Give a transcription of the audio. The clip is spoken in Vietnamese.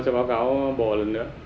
tôi sẽ báo cáo bộ lần nữa